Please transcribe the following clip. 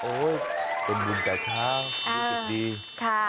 โอ้ยเป็นบุญแต่เช้า